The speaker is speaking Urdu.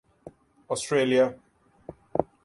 آسٹریلیا